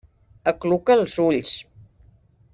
Acluca els ulls.